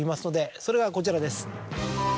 それがこちらです。